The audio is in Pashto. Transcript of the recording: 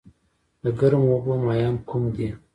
د ګرمو اوبو ماهیان کوم دي؟